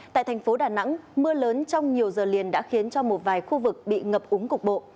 tại thành phố đà nẵng mưa lớn trong nhiều giờ liền đã khiến cho một vài khu vực bị ngập úng cục bộ